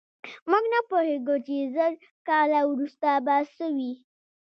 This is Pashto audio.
موږ نه پوهېږو چې زر کاله وروسته به څه وي.